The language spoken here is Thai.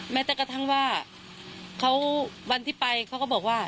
แม้แต่กระทั่งว่าเขาวันที่ไปเขาก็บอกว่า